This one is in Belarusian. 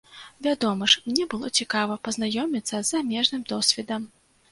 Вядома ж, мне было цікава пазнаёміцца з замежным досведам.